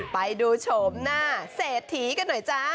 ไปดูโฉมหน้าเศรษฐีกันหน่อยจ้า